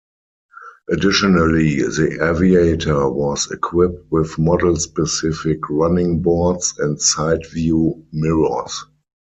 Additionally, the Aviator was equipped with model-specific running boards and sideview mirrors.